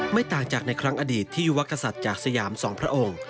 ต่างจากในครั้งอดีตที่ยุวกษัตริย์จากสยามสองพระองค์